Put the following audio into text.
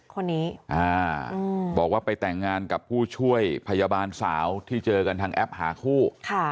คนนี้บอกว่าไปแต่งงานกับผู้ช่วยพยาบาลสาวที่เจอกันทางแอปหาคู่